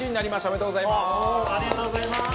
おめでとうございます。